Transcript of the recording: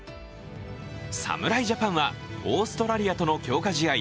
侍ジャパンはオーストラリアとの強化試合